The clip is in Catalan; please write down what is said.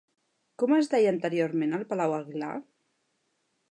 Com es deia anteriorment el Palau Aguilar?